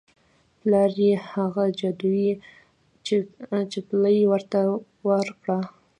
پلار یې هغه جادويي شپیلۍ ورته ورکړه.